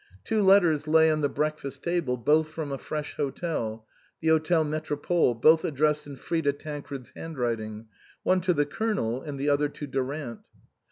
Two letters lay on the breakfast table, both from a fresh hotel, the Hotel Metropole, both addressed in Frida Tancred's handwriting, one to the Colonel and the other to Durant.